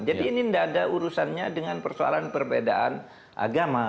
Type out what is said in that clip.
jadi ini tidak ada urusannya dengan persoalan perbedaan agama